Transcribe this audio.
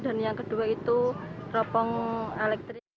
dan yang kedua itu teropong elektrik